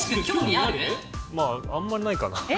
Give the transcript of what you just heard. あんまりないかな。